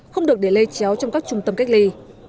không được để lây chéo trong các trung tâm cách ly